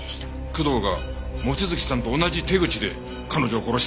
工藤が望月さんと同じ手口で彼女を殺したのか？